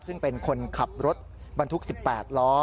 ซึ่งเป็นคนขับรถบรรทุก๑๘ล้อ